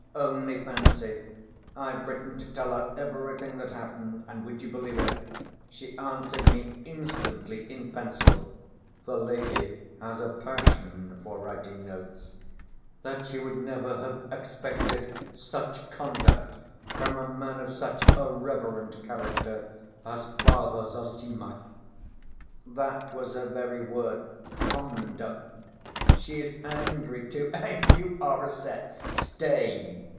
Only fancy, I've written to tell her everything that happened, and would you believe it, she answered me instantly in pencil (the lady has a passion for writing notes) that 'she would never have expected such conduct from a man of such a reverend character as Father Zossima.' That was her very word: 'conduct.' She is angry too. Eh, you are a set! Stay!"